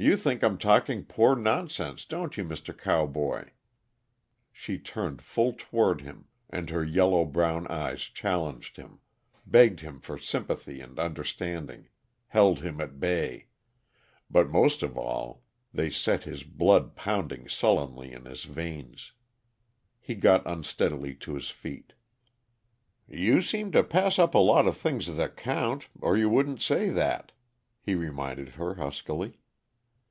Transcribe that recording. "You think I'm talking pore nonsense, don't you, Mr. Cowboy?" She turned full toward him, and her yellow brown eyes challenged him, begged him for sympathy and understanding, held him at bay but most of all they set his blood pounding sullenly in his veins. He got unsteadily to his feet. "You seem to pass up a lot of things that count, or you wouldn't say that," he reminded her huskily.